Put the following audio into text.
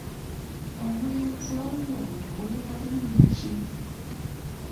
Omulenzi oyo yaweebwa linnya ki ?